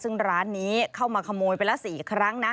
ซึ่งร้านนี้เข้ามาขโมยไปละ๔ครั้งนะ